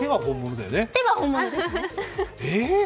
手は本物ですね。